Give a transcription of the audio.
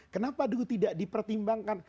kenapa dulu tidak dipertimbangkan